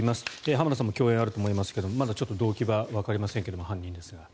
浜田さんも共演があると思いますがまだちょっと動機はわかりませんが犯人ですが。